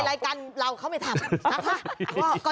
รายการเราเขาไม่ทำ